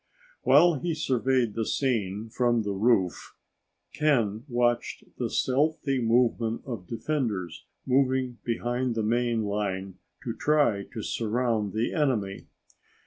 While he surveyed the scene from the roof, Ken watched the stealthy movement of defenders moving behind the main line to try to surround the enemy.